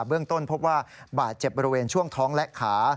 เบื้องต้นพบว่าบาดเจ็บบริเวณช่วงท้องและขา